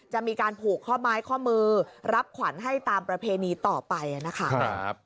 จะมีการผูกข้อไม้ข้อมือรับขวัญให้ตามประเพณีต่อไปนะคะ